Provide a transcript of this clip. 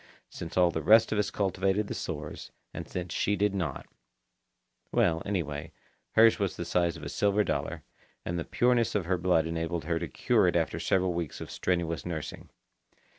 Since all the rest of us cultivated the sores, and since she did not—well, anyway, hers was the size of a silver dollar, and the pureness of her blood enabled her to cure it after several weeks of strenuous nursing.